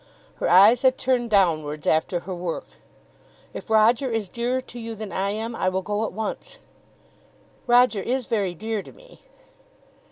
Her eyes had turned downwards after her work. "If Roger is dearer to you than I am, I will go at once." "Roger is very dear to me."